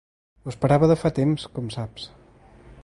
Ho esperava de fa temps, com saps.